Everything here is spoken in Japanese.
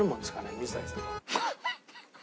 水谷さん。